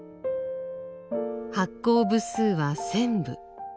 発行部数は１，０００部。